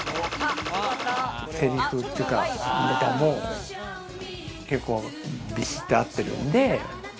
せりふっていうかネタも結構ビシッとあってるんで。